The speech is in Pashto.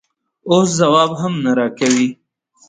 اوس ځواب هم نه راکوې؟